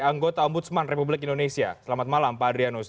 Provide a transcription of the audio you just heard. anggota ombudsman republik indonesia selamat malam pak adrianus